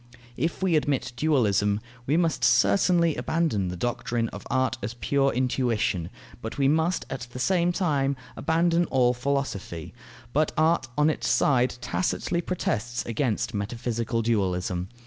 If we admit dualism, we must certainly abandon the doctrine of art as pure intuition; but we must at the same time abandon all philosophy. But art on its side tacitly protests against metaphysical dualism.